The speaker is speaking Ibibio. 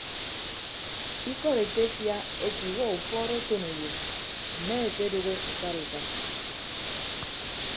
Ikọd etefia ete iwuọ ufuọd okoneyo mme ekedooho ekarika.